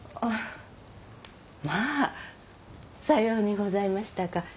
まぁさようにございましたか。